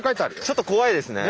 ちょっと怖いですね。